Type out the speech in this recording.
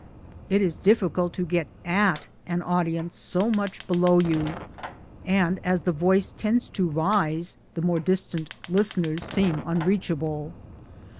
It is difficult to get at an audience so much below you, and as the voice tends to rise the more distant listeners seem unreachable.